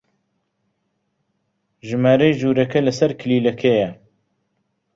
ژمارەی ژوورەکە لەسەر کلیلەکەیە.